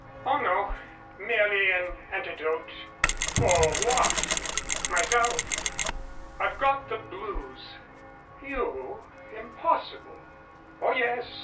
"Oh, no; merely an antidote." "For what?" "Myself. I've got the blues." "You! Impossible." "Oh, yes.